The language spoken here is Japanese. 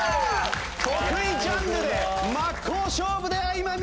得意ジャンルで真っ向勝負で相まみえる両雄。